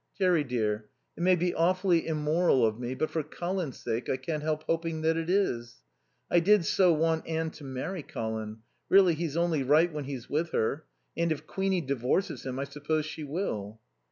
"Jerry dear, it may be awfully immoral of me, but for Colin's sake I can't help hoping that it is. I did so want Anne to marry Colin really he's only right when he's with her and if Queenie divorces him I suppose she will."